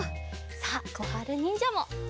さあこはるにんじゃも。